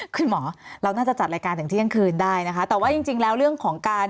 คุณหมอเราน่าจะจัดรายการถึงเที่ยงคืนได้นะคะแต่ว่าจริงจริงแล้วเรื่องของการ